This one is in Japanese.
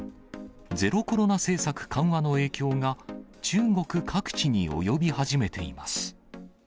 ゼロコロナ政策緩和の影響が、中国各地に及び始めています。